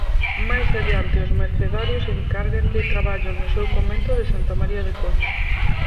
Máis adiante os mercedarios encárganlle traballos no seu convento de Santa María de Conxo.